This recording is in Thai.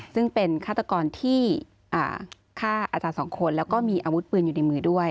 ซึ่งเป็นฆาตกรที่ฆ่าอาจารย์สองคนแล้วก็มีอาวุธปืนอยู่ในมือด้วย